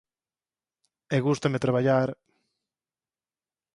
E gústame traballar…